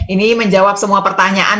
ini menjawab semua pertanyaan